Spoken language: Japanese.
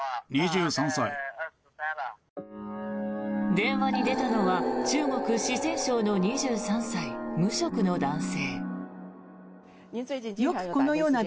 電話に出たのは中国・四川省の２３歳、無職の男性。